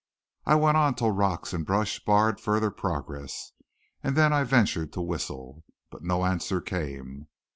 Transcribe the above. I went on till rocks and brush barred further progress, and then I ventured to whistle. But no answer came.